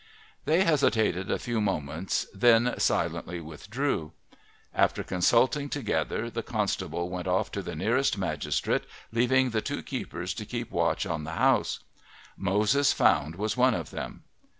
They hesitated a few moments then silently withdrew. After consulting together the constable went off to the nearest magistrate, leaving the two keepers to keep watch on the house: Moses Found was one of them.